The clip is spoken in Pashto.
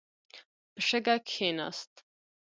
په شګه کښېناست.